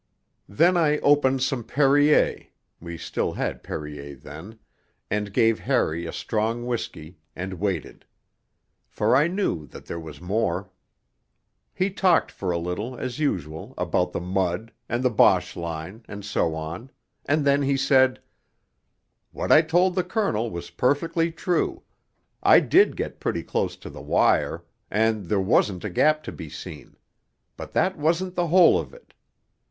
Then I opened some Perrier (we still had Perrier then), and gave Harry a strong whisky, and waited. For I knew that there was more. He talked for a little, as usual, about the mud, and the Boche line, and so on, and then he said: 'What I told the Colonel was perfectly true I did get pretty close to the wire, and there wasn't a gap to be seen but that wasn't the whole of it